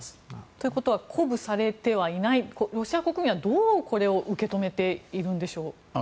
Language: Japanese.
ということは鼓舞されてはいないロシア国民は、どうこれを受け止めているんでしょう。